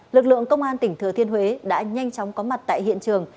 lực lượng công an tỉnh thừa thiên huế đã nhanh chóng có mặt tại hiện trường